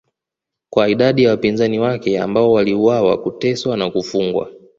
kwa idadi ya wapinzani wake ambao waliuawa kuteswa au kufungwa